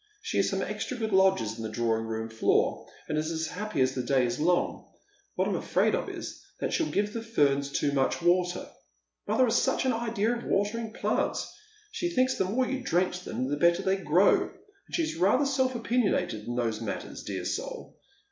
She has some extra good lodgers in the drawing room floor, and is as happy as the day is long. What I'm afraid of is that she'll give the ferns too niuch water. Mother has such an idea of watering plants. She thinks the more you drench them the better they grow, and she's rather self opinionated in those matters, dear soul